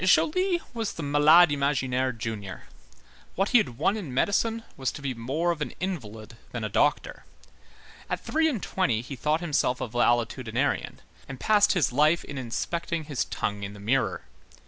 Joly was the "malade imaginaire" junior. What he had won in medicine was to be more of an invalid than a doctor. At three and twenty he thought himself a valetudinarian, and passed his life in inspecting his tongue in the mirror.